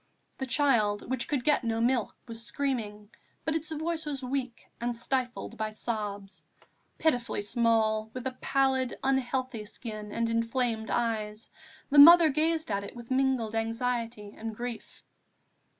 The child, which could get no milk, was screaming, but its voice was weak and stifled by its sobs. Pitifully small, with a pallid, unhealthy skin and inflamed eyes, the mother gazed at it with mingled anxiety and grief.